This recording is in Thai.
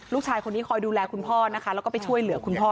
ลูกชายคนนี้คอยดูแลคุณพ่อนะคะแล้วก็ไปช่วยเหลือคุณพ่อ